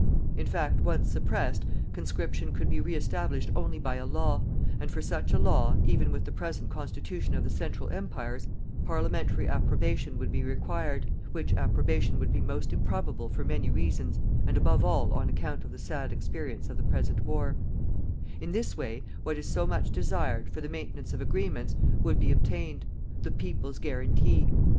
In fact, once suppressed, conscription could be reestablished only by a law; and for such a law, even with the present constitution of the Central Empires, Parliamentary approbation would be required (which approbation would be most improbable for many reasons and above all on account of the sad experience of the present war); in this way, what is so much desired, for the maintenance of agreements, would be obtained: the peoples' guarantee.